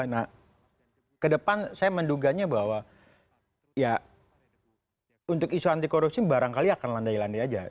nah ke depan saya menduganya bahwa ya untuk isu anti korupsi barangkali akan landai landai aja